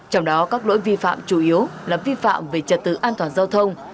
trong đó các lỗi vi phạm chủ yếu là vi phạm về trật tự an toàn giao thông